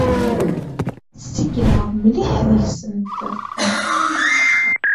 Ssikkdeɣ mliḥ deg-sent.